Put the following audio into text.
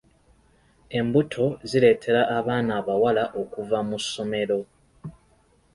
Embuto zireetera abaana abawala okuva mu ssomero.